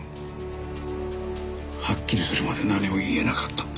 はっきりするまで何も言えなかった。